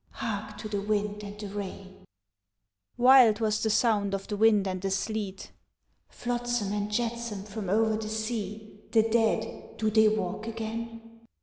(Hark to the wind and the rain.) Wild was the sound of the wind and the sleet, (_Flotsam and jetsam from over the sea. The dead do they walk again?